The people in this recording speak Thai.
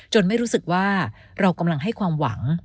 ไม่รู้สึกว่าเรากำลังให้ความหวัง